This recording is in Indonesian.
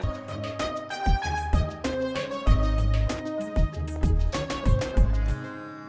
kamu yang dikasih pelajaran